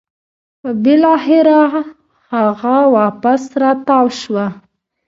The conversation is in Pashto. بلاخره هغه واپس راتاو شوه